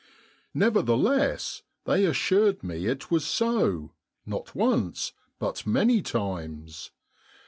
Nevertheless they assured me it was so — not once, but many times.